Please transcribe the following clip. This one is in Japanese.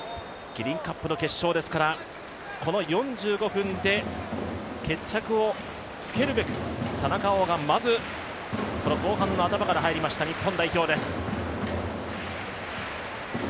キリンカップの決勝ですからこの４５分で決着をつけるべく田中碧がまず後半の頭から入りました日本代表です。